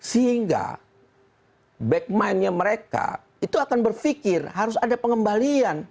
sehingga back mind nya mereka itu akan berpikir harus ada pengembalian